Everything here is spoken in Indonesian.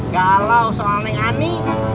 galau soal ani